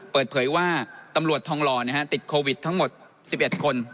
เปิดเผยว่าตำรวจทองหล่อติดโควิดทั้งหมด๑๑คน